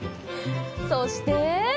そして。